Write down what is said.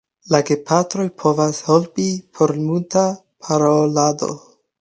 La gepatroj povas helpi per multa parolado.